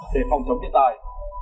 để phòng chống thiệt tài